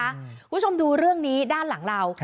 คุณผู้ชมดูเรื่องนี้ด้านหลังเรา